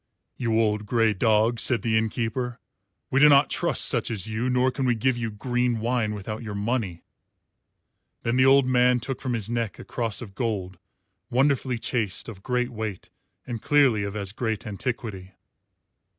"You old grey dog," said the inn keeper, "we do not trust such as you, nor can we give you green wine without your money." Then the old man took from his neck a cross of gold, wonderfully chased, of great weight, and clearly of as great antiquity.